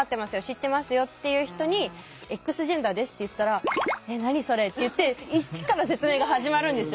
知ってますよ」って言う人に「Ｘジェンダーです」って言ったら「え何それ？」って言って一から説明が始まるんですよ。